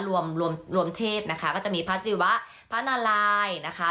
รวมรวมเทพนะคะก็จะมีพระศิวะพระนารายนะคะ